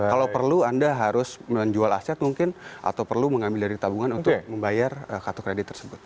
kalau perlu anda harus menjual aset mungkin atau perlu mengambil dari tabungan untuk membayar kartu kredit tersebut